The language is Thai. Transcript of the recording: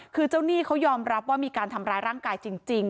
คือเจ้าหนี้เขายอมรับว่ามีการทำร้ายร่างกายจริง